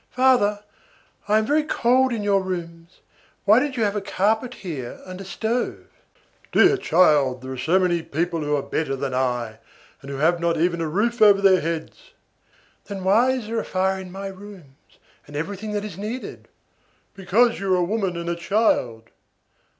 "Father, I am very cold in your rooms; why don't you have a carpet here and a stove?" "Dear child, there are so many people who are better than I and who have not even a roof over their heads." "Then why is there a fire in my rooms, and everything that is needed?" "Because you are a woman and a child."